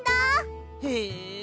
へえ！